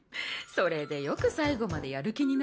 それでよく最後までやる気になるわ。